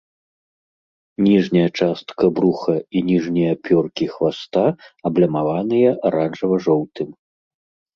Ніжняя частка бруха і ніжнія пёркі хваста аблямаваныя аранжава-жоўтым.